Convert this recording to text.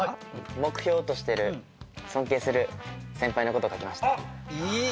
目標としてる尊敬する先輩のことを書きました。